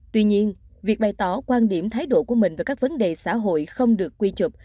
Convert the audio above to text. tuy nhiên việc bày tỏ quan điểm thái độ của mình về các vấn đề xã hội không được quy trục